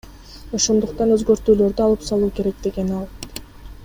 Ошондуктан өзгөртүүлөрдү алып салуу керек, — деген ал.